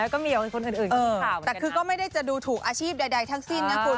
แล้วก็มีคนอื่นแต่คือก็ไม่ได้จะดูถูกอาชีพใดทั้งสิ้นนะคุณ